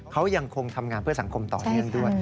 เขายังคงทำงานเพื่อสังคมต่อเนื่องด้วย